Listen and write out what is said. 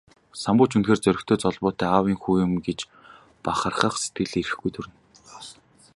Самбуу ч үнэхээр зоригтой, золбоотой аавын хүү юм гэж бахархах сэтгэл эрхгүй төрнө.